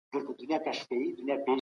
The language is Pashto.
حکومت د تابعیت قانون نه سختوي.